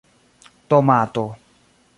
tomato